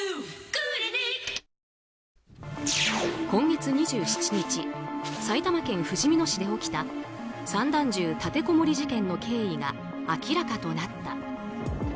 今月２７日埼玉県ふじみ野市で起きた散弾銃立てこもり事件の経緯が明らかとなった。